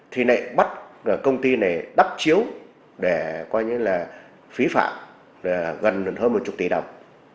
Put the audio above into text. thì lại bắt công ty này đắp chiếu để phí phạm gần hơn một chục tỷ đồng